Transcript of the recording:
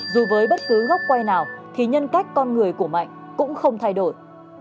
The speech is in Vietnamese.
dù với bất cứ góc quay nào thì nhân cách con người của mạnh cũng không thay đổi